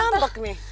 makin ngambek nih